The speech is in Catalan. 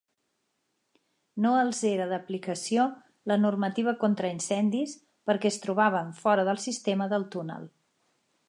No els era d'aplicació la normativa contra incendis perquè es trobaven fora del sistema del túnel.